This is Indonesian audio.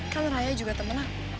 kan raya juga temenan